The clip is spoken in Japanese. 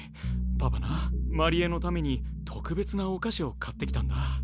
パパな真理恵のために特別なお菓子を買ってきたんだ。